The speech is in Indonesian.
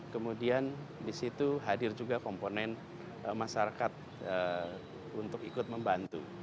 kemudian di situ hadir juga komponen masyarakat untuk ikut membantu